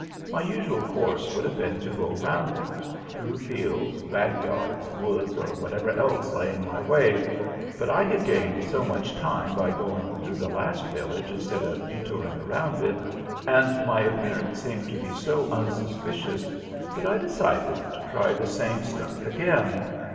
My usual course would have been to go around it through fields, backyards, woods, or whatever else lay in my way but I had gained so much time by going through the last village instead of detouring around it, and my appearance seemed to be so unsuspicious, that I decided to try the same stunt again.